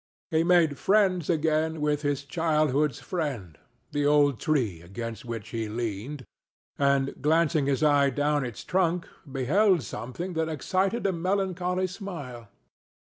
He made friends again with his childhood's friend—the old tree against which he leaned—and, glancing his eye down its trunk, beheld something that excited a melancholy smile.